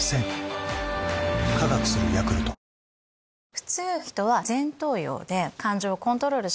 普通人は。